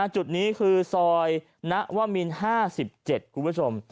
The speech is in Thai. จุดนี้คือซอยณวมิน๕๗คุณผู้ชม